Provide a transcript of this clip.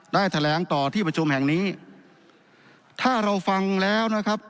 แถลงต่อที่ประชุมแห่งนี้ถ้าเราฟังแล้วนะครับ